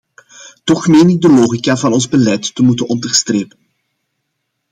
Toch meen ik de logica van ons beleid te moeten onderstrepen.